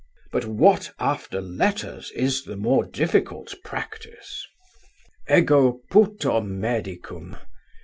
But what after letters is the more difficult practice? 'Ego puto medicum.'